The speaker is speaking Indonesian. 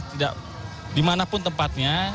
tidak dimanapun tempatnya